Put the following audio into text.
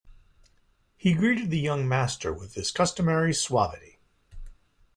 He greeted the young master with his customary suavity.